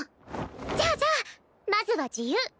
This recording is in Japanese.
じゃあじゃあまずは自由！